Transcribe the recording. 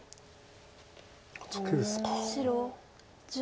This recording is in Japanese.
ツケですか。